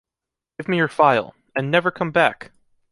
Give me your phial...and never come back!